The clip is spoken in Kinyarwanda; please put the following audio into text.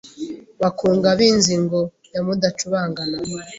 Bakunga b'inzigo ya Mudacubangana